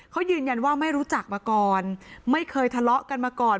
เขายืนยันว่าไม่รู้จักมาก่อนไม่เคยทะเลาะกันมาก่อน